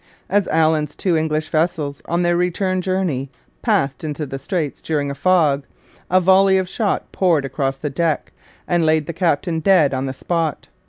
As Allen's two English vessels, on their return journey, passed into the straits during a fog, a volley of shot poured across the deck and laid the captain dead on the spot.